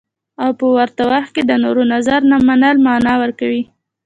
او په ورته وخت کې د نورو نظر نه منل مانا ورکوي.